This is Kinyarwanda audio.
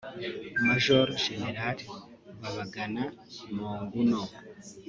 Maj Gen Babagana Monguno